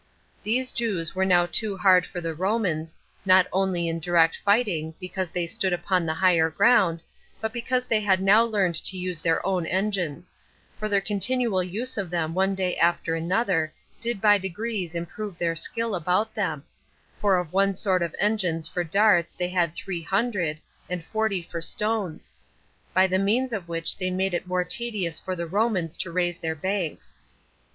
These Jews were now too hard for the Romans, not only in direct fighting, because they stood upon the higher ground, but because they had now learned to use their own engines; for their continual use of them one day after another did by degrees improve their skill about them; for of one sort of engines for darts they had three hundred, and forty for stones; by the means of which they made it more tedious for the Romans to raise their banks.